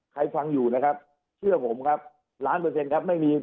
ฟังอยู่นะครับเชื่อผมครับล้านเปอร์เซ็นต์ครับไม่มี